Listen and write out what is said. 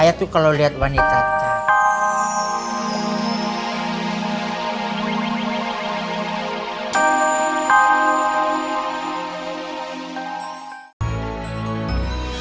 saya tuh kalau lihat wanitanya